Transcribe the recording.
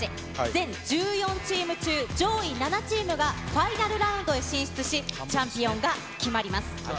全１４チーム中上位７チームがファイナルラウンドへ進出し、チャンピオンが決まります。